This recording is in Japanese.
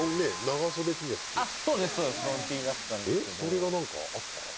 それがなんかあった？